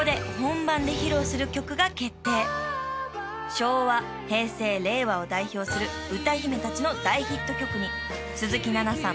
［昭和平成令和を代表する歌姫たちの大ヒット曲に鈴木奈々さん